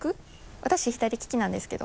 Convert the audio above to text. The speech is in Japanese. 私左利きなんですけど。